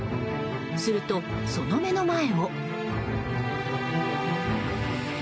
すると、その目の前を。